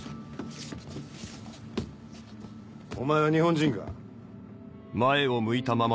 お前は日本人か？